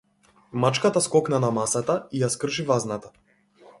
Мачката скокна на масата и ја скрши вазната.